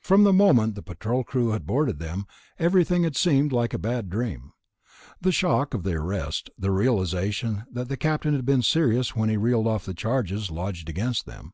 From the moment the Patrol crew had boarded them, everything had seemed like a bad dream. The shock of the arrest, the realization that the Captain had been serious when he reeled off the charges lodged against them